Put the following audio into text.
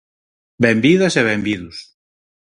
Benvidas e benvidos.